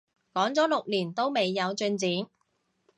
講咗六年都未有進展